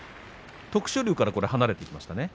徳勝龍から離れていきましたね。